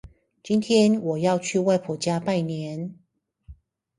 今天我要去外婆家拜年